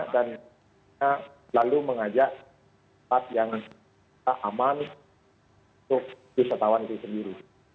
dan lalu mengajak tempat yang aman untuk wisatawan itu sendiri